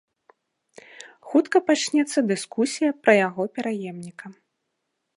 Хутка пачнецца дыскусія пра яго пераемніка.